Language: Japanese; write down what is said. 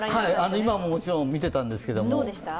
今ももちろん見てたんですけど。